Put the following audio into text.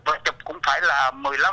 và chụp cũng phải là một mươi năm file